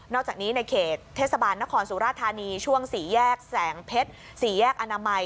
อกจากนี้ในเขตเทศบาลนครสุราธานีช่วงสี่แยกแสงเพชร๔แยกอนามัย